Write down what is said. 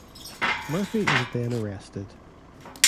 Murphy is then arrested.